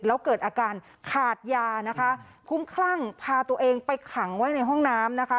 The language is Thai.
แล้วเกิดอาการขาดยานะคะคุ้มคลั่งพาตัวเองไปขังไว้ในห้องน้ำนะคะ